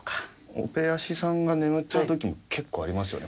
オペアシさんが眠っちゃう時も結構ありますよね。